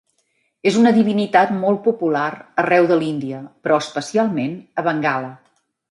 És una divinitat molt popular arreu de l'Índia, però especialment a Bengala.